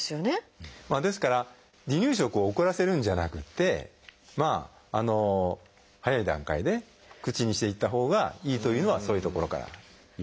ですから離乳食を遅らせるんじゃなくて早い段階で口にしていったほうがいいというのはそういうところからいうんですね。